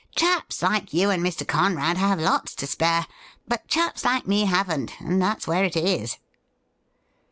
Chaps like you and Mr. Conrad have lots to spare ; but chaps like me haven't, and that's where it is.'